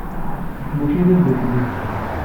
Nekk mačči d ameddakel-ik.